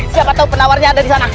siapa tahu penawarnya ada di sana